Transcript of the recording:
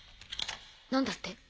何だって？